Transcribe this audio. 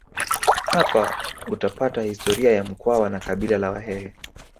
hapo utapatab historia ya mkwawa na kabila la wahehe